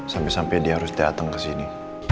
sampai sampai dia harus tiateng kesini